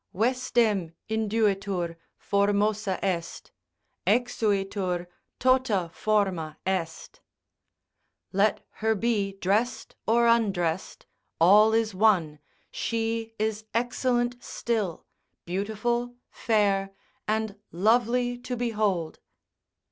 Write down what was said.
Vestem induitur, formosa est: exuitur, tota forma est, let her be dressed or undressed, all is one, she is excellent still, beautiful, fair, and lovely to behold.